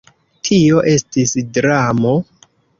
Tio estis dramo.